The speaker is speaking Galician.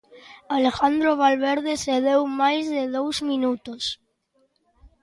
Alejandro Valverde cedeu máis de dous minutos.